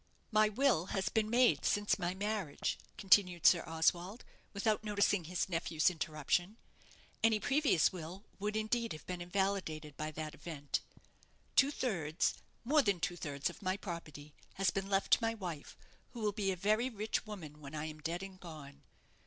"My will has been made since my marriage," continued Sir Oswald, without noticing his nephew's interruption; "any previous will would, indeed, have been invalidated by that event Two thirds more than two thirds of my property has been left to my wife, who will be a very rich woman when I am dead and gone.